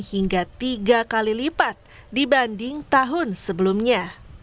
hingga tiga kali lipat dibanding tahun sebelumnya